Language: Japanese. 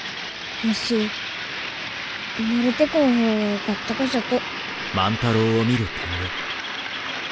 わし生まれてこん方がよかったがじゃと。